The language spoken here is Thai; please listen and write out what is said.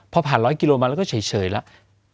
พอผ่าน๑๐๐กิโลมาแล้วก็เฉยแล้ว